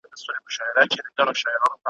له فرعون سره وزیر نوم یې هامان وو ,